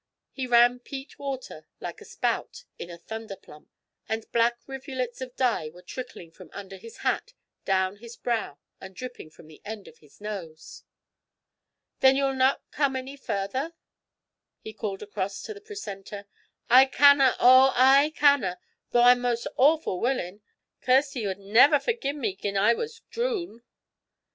He ran peat water like a spout in a thunder plump, and black rivulets of dye were trickling from under his hat down his brow and dripping from the end of his nose. 'Then you'll not come any farther?' he called cross to the precentor. 'I canna, oh, I canna; though I'm most awfu' wullin'. Kirsty wad never forgie me gin I was to droon.'